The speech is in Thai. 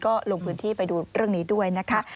ก็ลงพื้นที่ไปดูเรื่องนี้ด้วยนะคะ